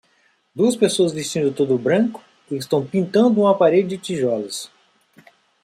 Duas pessoas vestindo todo branco estão pintando uma parede de tijolos.